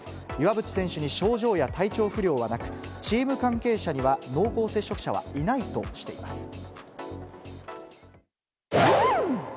岩渕選手に症状や体調不良はなく、チーム関係者には濃厚接触者はいないとしています。